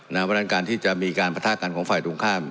เพราะฉะนั้นการที่จะมีการประทะกันของฝ่ายตรงข้าม